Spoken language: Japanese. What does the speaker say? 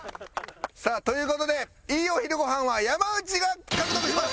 さあという事でいいお昼ご飯は山内が獲得しました！